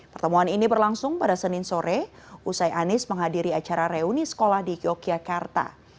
pertemuan ini berlangsung pada senin sore usai anies menghadiri acara reuni sekolah di yogyakarta